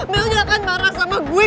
mel gak akan marah sama gue